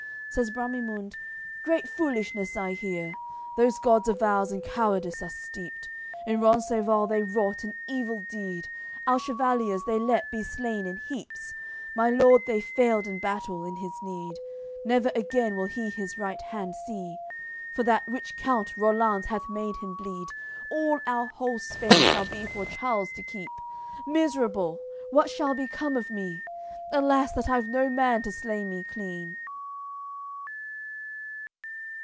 Says Bramimunde "Great foolishness I hear: Those gods of ours in cowardice are steeped; In Rencesvals they wrought an evil deed, Our chevaliers they let be slain in heaps; My lord they failed in battle, in his need, Never again will he his right hand see; For that rich count, Rollanz, hath made him bleed. All our whole Spain shall be for Charles to keep. Miserable! What shall become of me? Alas! That I've no man to slay me clean!"